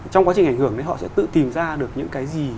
trong quá trình ảnh hưởng thì họ sẽ tự tìm ra được những cái gì